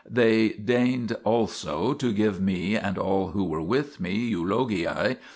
They deigned also to give me and all who were with me eulogiae?